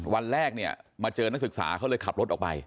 วันแรกเนี่ยมาเจอนักศึกษาเขาเลยขับรถออกไป